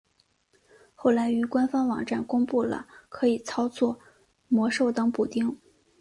后来于官方网站公布了可以操作魔兽等补丁。